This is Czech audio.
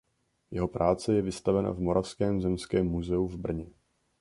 Jeho práce je vystavena v Moravském zemském muzeu v Brně.